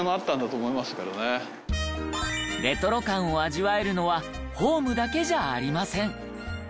レトロ感を味わえるのはホームだけじゃありません。